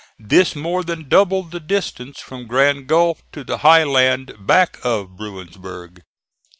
This more than doubled the distance from Grand Gulf to the high land back of Bruinsburg.